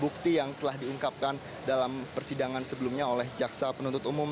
bukti yang telah diungkapkan dalam persidangan sebelumnya oleh jaksa penuntut umum